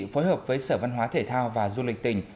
phối hợp với sở văn hóa thể thao và du lịch tỉnh